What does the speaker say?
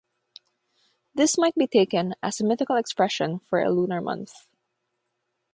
This might be taken as a mythical expression for a lunar month.